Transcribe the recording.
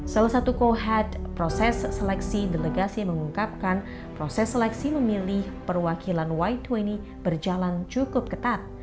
salah satu kohed proses seleksi delegasi mengungkapkan proses seleksi memilih perwakilan y dua puluh berjalan cukup ketat